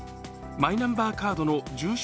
マイナンバーカードの住所